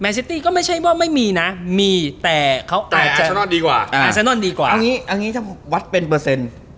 แมนเซตี้ก็ไม่ใช่ว่าไม่มีนะมีแต่เขาแต่อาเซนนอนดีกว่าอ่าอาเซนนอนดีกว่าอันนี้อันนี้จะวัดเป็นเปอร์เซ็นต์